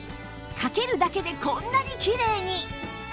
かけるだけでこんなにキレイに！